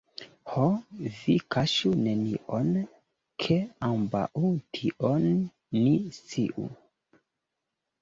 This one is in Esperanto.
Ho, vi kaŝu nenion, ke ambaŭ tion ni sciu.